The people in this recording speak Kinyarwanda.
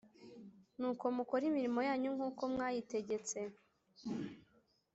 Nuko mukore imirimo yanyu nkuko mwayitegetse